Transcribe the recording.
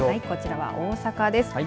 こちらは大阪です。